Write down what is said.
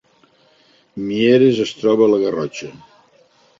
Mieres es troba a la Garrotxa